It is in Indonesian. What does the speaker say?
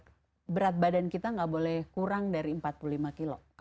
karena berat badan kita nggak boleh kurang dari empat puluh lima kilo